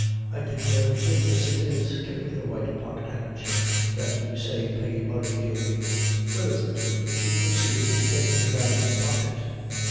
I declare to goodness it is. Give me the white pocket handkerchy that you say Peggy Murray gave you. Where is it?" she proceeded, taking it out of his pocket.